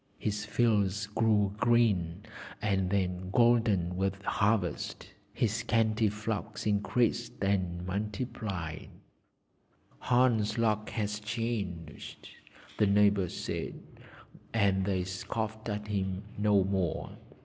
His fields grew green, and then golden with harvest; his scanty flocks increased and multiplied. 'Hans' luck has changed!' the neighbours said, and they scoffed at him no more.